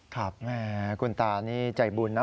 แม่คุณตานี่ใจบุญนะ